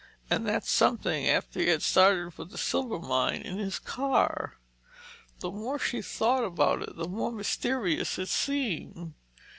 And that something, after he had started for Silvermine in his car. The more she thought about it, the more mysterious it seemed.